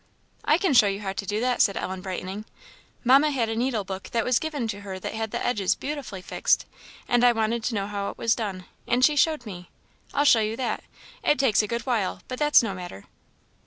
"I can show you how to do that," said Ellen, brightening; "Mamma had a needlebook that was given to her that had the edges beautifully fixed; and I wanted to know how it was done, and she showed me. I'll show you that. It takes a good while, but that's no matter."